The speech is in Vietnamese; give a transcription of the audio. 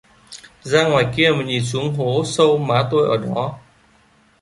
Ra ngoài kia mà nhìn xuống hố sâu má tôi ở đó